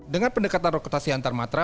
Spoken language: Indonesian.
dengan pendekatan rotasi antarmatra